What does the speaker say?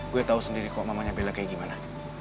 gue tau sendiri kok mamanya bella kayak gimana